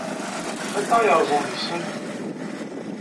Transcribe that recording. Anta ay yerrẓen deg-sent?